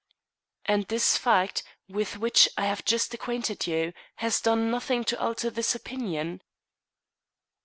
"And this fact, with which I have just acquainted you, has done nothing to alter this opinion?"